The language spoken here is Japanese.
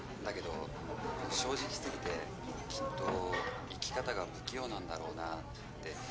だけど正直すぎてきっと生き方が不器用なんだろうなって